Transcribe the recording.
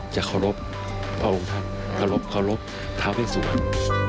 จะขอบพระองค์ธรรมขอบท้าวให้สวรรค์